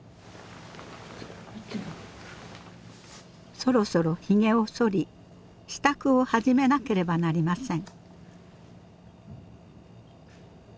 そろそろひげをそり支度を始めなければなりません。